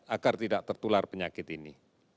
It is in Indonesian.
agar tidak tertular penyakit ini